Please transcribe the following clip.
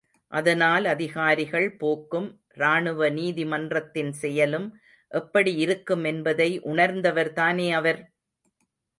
அதனால் அதிகாரிகள் போக்கும், ராணுவ நீதி மன்றத்தின் செயலும் எப்படி இருக்கும் என்பதை உணர்ந்தவர் தானே அவர்?